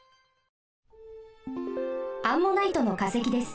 アンモナイトのかせきです。